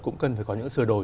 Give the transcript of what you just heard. cũng cần phải có những sửa đổi